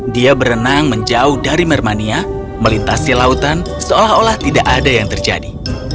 dia berenang menjauh dari mermania melintasi lautan seolah olah tidak ada yang terjadi